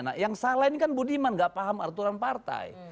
nah yang salah ini kan budiman gak paham aturan partai